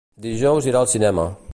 Dijous irà al cinema.